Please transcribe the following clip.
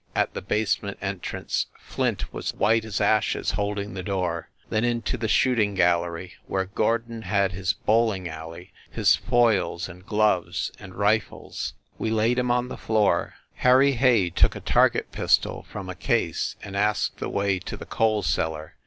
at the basement entrance, Flint was white as ashes, holding the door ... then into the shooting gal lery, where Gordon had his bowling alley, his foils and gloves ... and rifles. ... We laid him on the floor. ... Harry Hay took a target pistol from a case and asked the way to the coal cellar